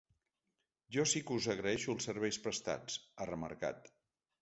Jo sí que us agraeixo els serveis prestats, ha remarcat.